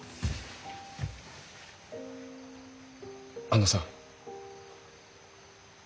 あのさ。